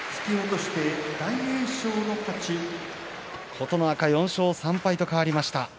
琴ノ若、４勝３敗と変わりました。